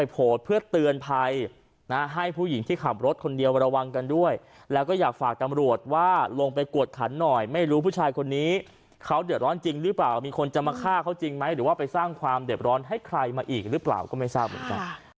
โพสต์เพื่อเตือนภัยนะให้ผู้หญิงที่ขับรถคนเดียวมาระวังกันด้วยแล้วก็อยากฝากตำรวจว่าลงไปกวดขันหน่อยไม่รู้ผู้ชายคนนี้เขาเดือดร้อนจริงหรือเปล่ามีคนจะมาฆ่าเขาจริงไหมหรือว่าไปสร้างความเด็บร้อนให้ใครมาอีกหรือเปล่าก็ไม่ทราบเหมือนกัน